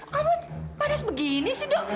kamu panas begini sih do